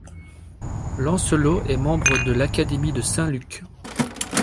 Lancelot est membre de l'Académie de Saint-Luc.